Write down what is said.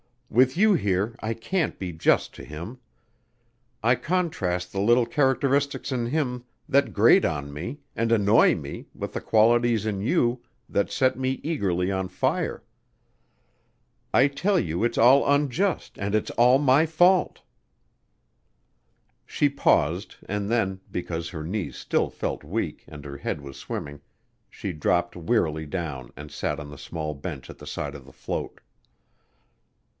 With you here I can't be just to him. I contrast the little characteristics in him that grate on me and annoy me with the qualities in you that set me eagerly on fire. I tell you it's all unjust and it's all my fault." She paused and then, because her knees still felt weak and her head was swimming, she dropped wearily down and sat on the small bench at the side of the float.